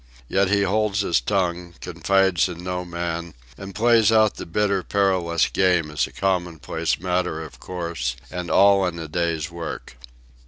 Yet he holds his tongue, confides in no man, and plays out the bitter perilous game as a commonplace matter of course and all in the day's work.